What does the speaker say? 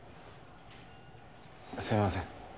すいません。